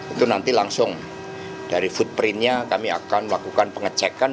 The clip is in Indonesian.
itu nanti langsung dari footprintnya kami akan melakukan pengecekan